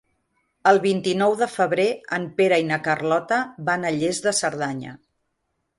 El vint-i-nou de febrer en Pere i na Carlota van a Lles de Cerdanya.